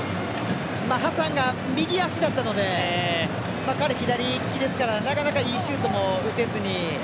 ハサンが右足だったので彼、左利きですからなかなかいいシュートも打てずに。